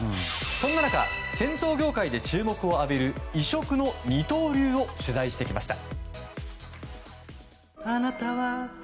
そんな中銭湯業界で注目を浴びる異色の二刀流を取材してきました。